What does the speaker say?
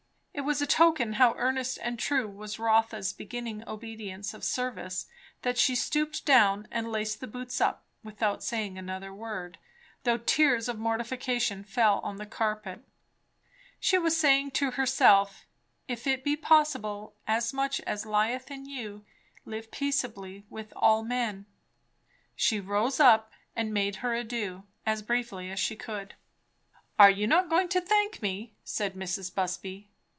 It was a token how earnest and true was Rotha's beginning obedience of service, that she stooped down and laced the boots up, without saying another word, though tears of mortification fell on the carpet. She was saying to herself, "If it be possible, as much as lieth in you, live peaceably with all men." She rose up and made her adieux, as briefly as she could. "Are you not going to thank me?" said Mrs. Busby.